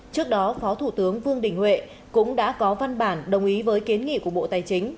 trước đó phó thủ tướng vương đình huệ cũng đã có văn bản đồng ý với kiến nghị của bộ tài chính